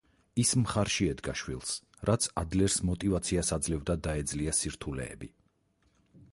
ის მხარში ედგა შვილს, რაც ადლერს მოტივაციას აძლევდა დაეძლია სირთულეები.